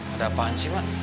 ada apaan sih mak